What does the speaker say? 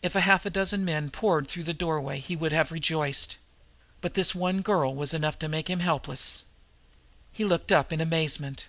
If half a dozen men had poured through the doorway he would have rejoiced. But this one girl was enough to make him helpless. He looked up in amazement.